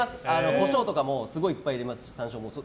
コショウとかもすごいいっぱい入れますし山椒も。